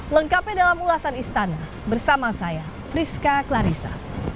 lengkapnya dalam ulasan istana bersama saya friska clarissa